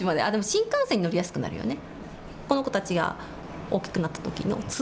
新幹線に乗りやすくなるよね。